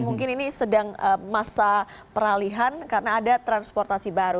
mungkin ini sedang masa peralihan karena ada transportasi baru